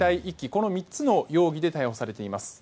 この３つの容疑で逮捕されています。